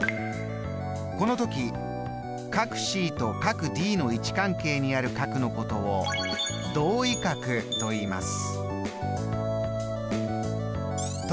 この時ｃとｄの位置関係にある角の同位角といいます。